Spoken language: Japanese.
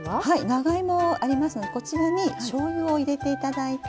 長芋ありますのでこちらにしょうゆを入れていただいて。